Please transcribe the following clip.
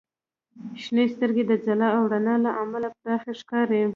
• شنې سترګې د ځلا او رڼا له امله پراخې ښکاري.